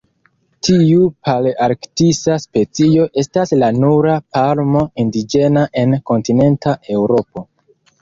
Tiu palearktisa specio estas la nura palmo indiĝena en kontinenta Eŭropo.